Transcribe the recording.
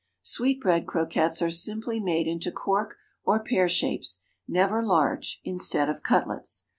Sweetbread croquettes are simply made into cork or pear shapes, never large, instead of cutlets.